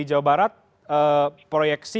jawa barat proyeksi